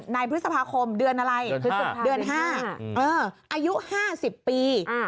ในพฤษภาคมเดือนอะไรคือเดือน๕อายุ๕๐ปี